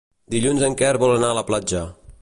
Dilluns en Quer vol anar a la platja.